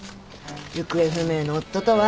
行方不明の夫とは。